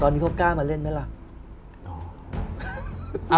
ตอนนี้เขากล้ามาเล่นไหมล่ะ